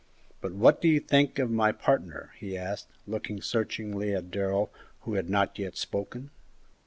But what do you think of my partner?" he asked, looking searchingly at Darrell, who had not yet spoken.